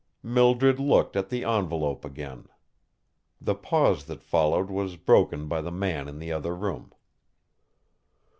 Mildred looked at the envelope again. The pause that followed was broken by the man in the other room.